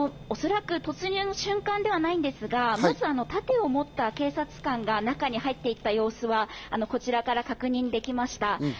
おそらく突入の瞬間ではないんですが、まず盾を持った警察官が中に入って行った様子はこちらから確認できました。